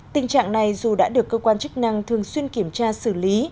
tình trạng này dù đã được cơ quan chức năng thường xuyên kiểm tra xử lý